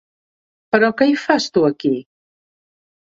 Però què hi fas, tu, aquí?